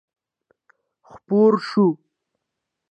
خپور شو.